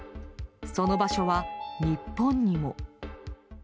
その場所は日本にも。